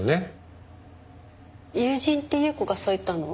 友人って優子がそう言ったの？